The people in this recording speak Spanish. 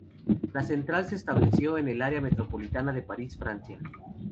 La central se estableció en el área metropolitana de Paris, Francia.